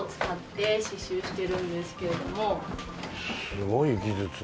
すごい技術。